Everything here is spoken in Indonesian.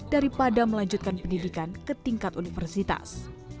daripada melanjutkan pendidikan ke tingkat universitas